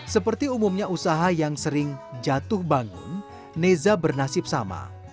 seperti umumnya usaha yang sering jatuh bangun neza bernasib sama